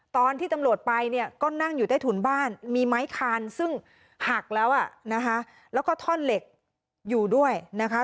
ตอนที่ตำรวจไปเนี่ยก็นั่งอยู่ใต้ถุนบ้านมีไม้คานซึ่งหักแล้วอ่ะนะคะแล้วก็ท่อนเหล็กอยู่ด้วยนะคะ